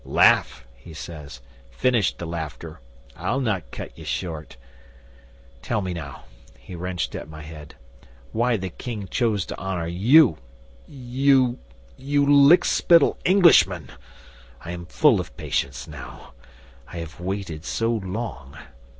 '"Laugh," he said. "Finish the laughter. I'll not cut ye short. Tell me now" he wrenched at my head "why the King chose to honour you, you you you lickspittle Englishman? I am full of patience now. I have waited so long."